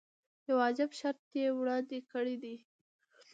یو عجیب شرط یې وړاندې کړی دی.